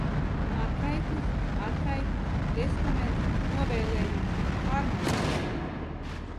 Atraitnis, atraitne, testaments, novēlējums. Pārmantojamība.